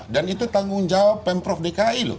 dan itu tanggung jawab pemprov dki loh